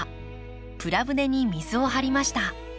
プラ舟に水を張りました。